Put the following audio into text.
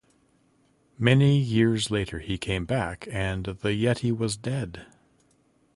Many years later, he came back, and the yeti was dead.